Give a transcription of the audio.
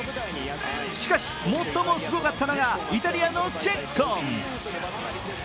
しかし最もすごかったのがイタリアのチェッコン。